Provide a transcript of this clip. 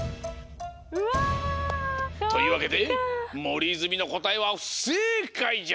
うわそっか。というわけで森泉のこたえはふせいかいじゃ！